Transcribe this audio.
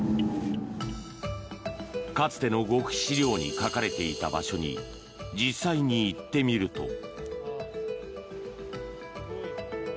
かつての極秘資料に書かれていた場所に実際に行ってみると。